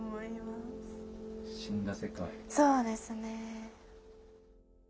そうですね。